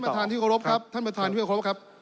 ท่านประธานที่โครบครับท่านประธานที่โครบครับ